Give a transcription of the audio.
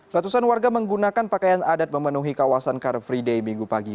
ratusan warga menggunakan pakaian adat memenuhi kawasan car free day minggu pagi